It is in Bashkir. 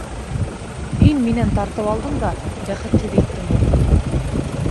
Һин минән тартып алдың да бәхетһеҙ иттең уны.